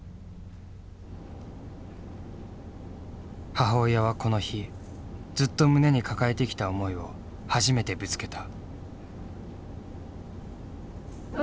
母親はこの日ずっと胸に抱えてきた思いを初めてぶつけた。